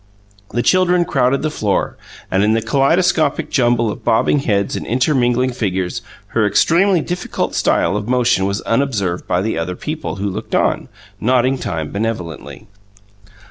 The children crowded the floor, and in the kaleidoscopic jumble of bobbing heads and intermingling figures her extremely different style of motion was unobserved by the older people, who looked on, nodding time benevolently.